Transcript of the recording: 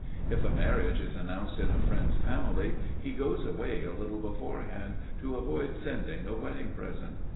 If a marriage is announced in a friend's family, he goes away a little beforehand, to avoid sending a wedding present.